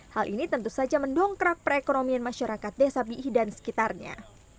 hal ini tentu saja mendongkrak perekonomian masyarakat desa biih dan sekitarnya